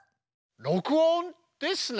「録音」ですね！